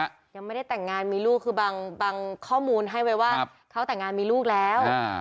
ยังไม่ได้แต่งงานมีลูกคือบางข้อมูลให้ไว้ว่าเขาแต่งงานมีลูกแล้ว